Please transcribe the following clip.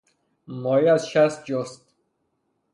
ماهی از شست جست.